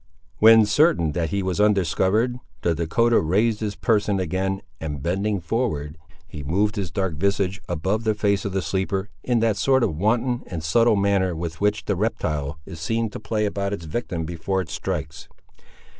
When certain that he was undiscovered, the Dahcotah raised his person again, and bending forward, he moved his dark visage above the face of the sleeper, in that sort of wanton and subtle manner with which the reptile is seen to play about its victim before it strikes.